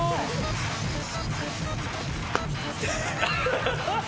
ハハハハ。